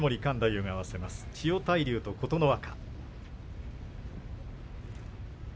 千代大龍と琴ノ若。